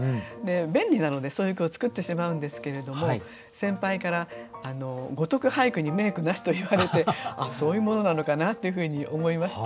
便利なのでそういう句を作ってしまうんですけれども先輩から「如く俳句に名句なし」といわれてそういうものなのかなっていうふうに思いました。